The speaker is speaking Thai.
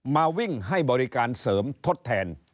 มาวิ่งให้บริการเสริมทดแทน